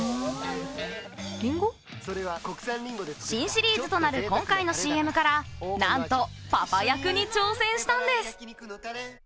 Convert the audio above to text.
新シリーズとなる今回のＣＭからなんとパパ役に挑戦したんです。